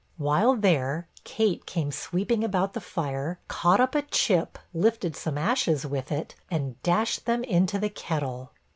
While there, Kate came sweeping about the fire, caught up a chip, lifted some ashes with it, and dashed them into the kettle.